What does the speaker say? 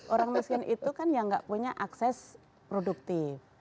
orang miskin itu kan yang nggak punya akses produktif